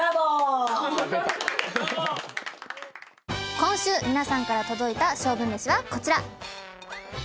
今週皆さんから届いた勝負めしはこちら。